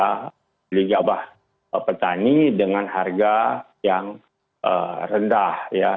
pembeli gabah petani dengan harga yang rendah ya